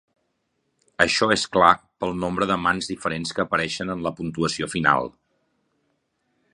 Això és clar pel nombre de mans diferents que apareixen en la puntuació final.